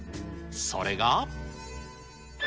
それが。